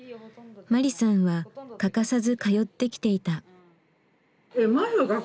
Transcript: マリさんは欠かさず通ってきていた。